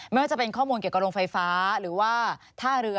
ไม่ว่าจะเป็นข้อมูลเกี่ยวกับโรงไฟฟ้าหรือว่าท่าเรือ